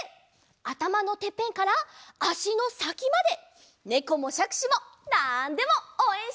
あたまのてっぺんからあしのさきまでねこもしゃくしもなんでもおうえんしますよ！